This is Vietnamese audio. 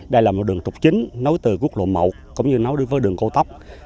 đây là một đường trục chính nối từ quốc lộ một cũng như nối đi với đường cô tóc